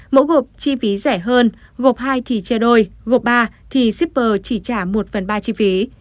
mẫu gộp chi phí rẻ hơn gộp hai thì chia đôi gộp ba thì shipper chỉ trả một phần ba chi phí